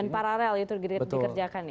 dan paralel itu dikerjakan ya